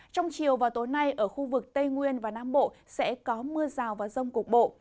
trong chiều và tối nay ở khu vực tây nguyên và nam bộ sẽ có mưa rào và rông cục bộ